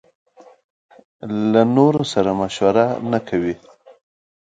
له نورو سره مشوره نکوي.